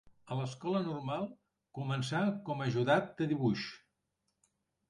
A l’Escola Normal començà com a ajudat de Dibuix.